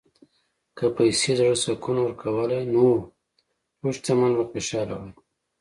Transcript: که پیسې د زړه سکون ورکولی، نو ټول شتمن به خوشاله وای.